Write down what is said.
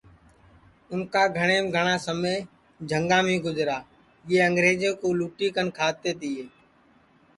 اُن کا گھٹؔیم گھٹؔا سمے جھنگام ہی گُجرا یہ انگرجے کُو لُٹی کن کھاتے تیے